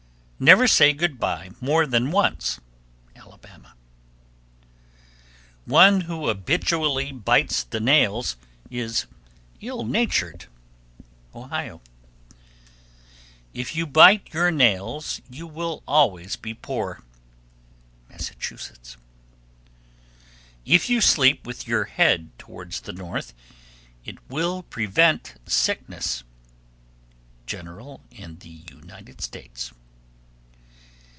_ 1305. Never say "good by" more than once. Alabama. 1306. One who habitually bites the nails is ill natured. Ohio. 1307. If you bite your finger nails you will always be poor. Massachusetts. 1308. If you sleep with your head towards the north, it will prevent sickness. _General in the United States.